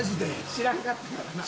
知らんかったからな。